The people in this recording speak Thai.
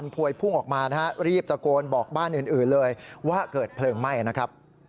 พวยพุ่งออกมานะฮะรีบตะโกนบอกบ้านอื่นเลยว่าเกิดเพลิงไหม้นะครับ